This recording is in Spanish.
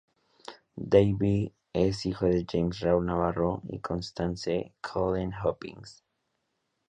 Dave es hijo de James Raul Navarro y Constance Colleen Hopkins.